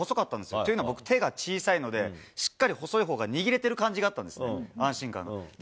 というのは僕は手が小さいので、しっかり細いほうが握れてる感じがあったんですね、安心感で。